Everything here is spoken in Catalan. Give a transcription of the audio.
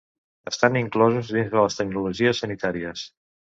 Estan inclosos dins de les tecnologies sanitàries.